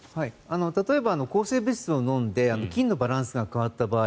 例えば抗生物質を飲んで菌のバランスが変わった場合。